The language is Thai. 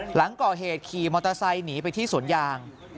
หลังก่อเหตุขี่มอเตอร์ไซค์หนีไปที่สวนยาง